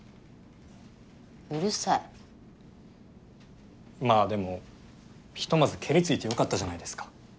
うるさいまぁでもひとまずケリついてよかったじゃないですか